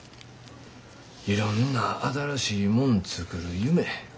いろんな新しいもん作る夢。